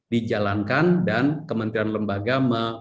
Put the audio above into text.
dijalankan dan kementerian lembaga